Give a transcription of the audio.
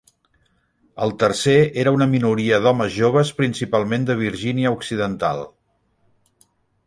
El tercer era una minoria d'homes joves principalment de Virgínia Occidental.